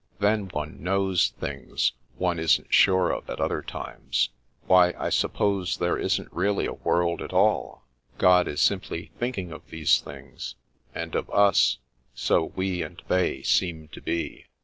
Then one knows things one isn't sure of at other times. Why, I suppose there isn't really a world at all t God is simply thinking of these things, and of us, so we and they seem to te.